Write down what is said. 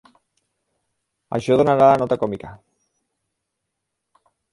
Això donarà la nota còmica.